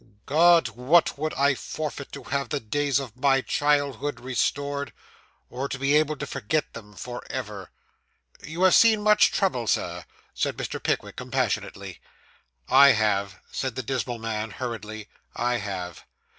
God! what would I forfeit to have the days of my childhood restored, or to be able to forget them for ever!' 'You have seen much trouble, sir,' said Mr. Pickwick compassionately. 'I have,' said the dismal man hurriedly; 'I have.